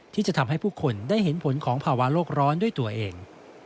ที่จะทำให้ผู้คนได้เห็นผลของภาวะโลกร้อนด้วยตัวเอง